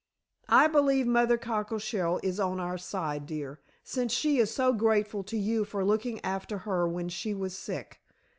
"I believe Mother Cockleshell is on our side, dear, since she is so grateful to you for looking after her when she was sick.